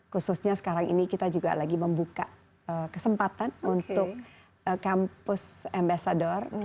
khususnya sekarang ini kita juga lagi membuka kesempatan untuk kampus ambasador